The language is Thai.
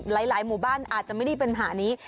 หลายหมู่บ้านอาจจะไม่ได้ปัญหานี้